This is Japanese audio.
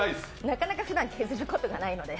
なかなか普段、削ることってないので。